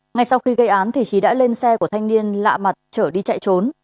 ngay sau khi gây án trí đã lên xe của thanh niên lạ mặt chở đi chạy trốn